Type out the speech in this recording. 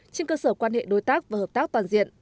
trên cơ sở quan hệ đối tác và hợp tác toàn diện